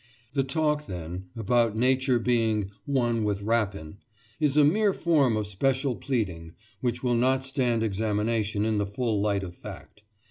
The talk, then, about Nature being "one with rapine" is a mere form of special pleading, which will not stand examination in the full light of fact.